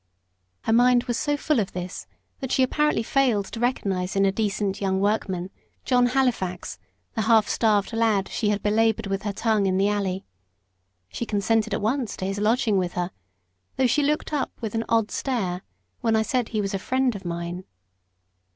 Her mind was so full of this that she apparently failed to recognise in the decent young workman, John Halifax, the half starved lad she had belaboured with her tongue in the alley. She consented at once to his lodging with her though she looked up with an odd stare when I said he was "a friend" of mine.